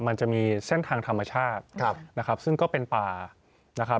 มันจะมีเส้นทางธรรมชาตินะครับซึ่งก็เป็นป่านะครับ